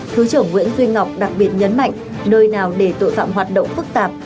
thứ trưởng nguyễn duy ngọc đặc biệt nhấn mạnh nơi nào để tội phạm hoạt động phức tạp